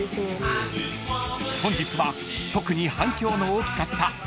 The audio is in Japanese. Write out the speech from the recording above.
［本日は特に反響の大きかった］